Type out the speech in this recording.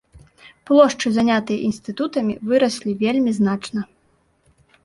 Плошчы, занятыя інстытутамі, выраслі вельмі значна.